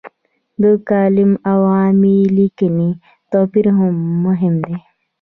د کالم او عامې لیکنې توپیر مهم دی.